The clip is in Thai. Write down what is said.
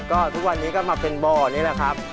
ก็ทุกวันนี้ก็มาเป็นบ่อนี่แหละครับ